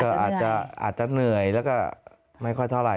อาจจะเหนื่อยอาจจะเหนื่อยแล้วก็ไม่ค่อยเท่าไหร่